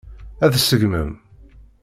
Ad t-seggmen?